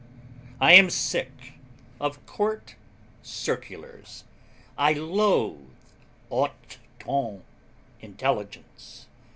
I am sick of COURT CIRCULARS. I loathe HAUT TON intelligence.